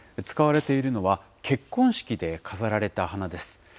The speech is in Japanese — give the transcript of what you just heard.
使われているのは、結婚式で飾られた花です。